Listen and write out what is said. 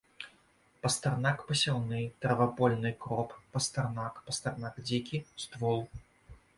Пастарнак пасяўны, травапольны кроп, пастарнак, пастарнак дзікі, ствол.